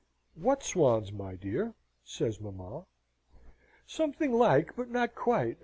"What swans, my dear?" says mamma. "Something like, but not quite.